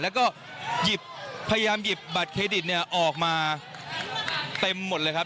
แล้วก็พยายามหยิบบัตรเครดิตเนี่ยออกมาเต็มหมดเลยครับ